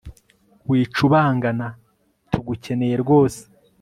wicubangana tugukeneye rwose